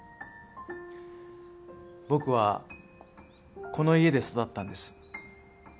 僕はこの家で育ったんです。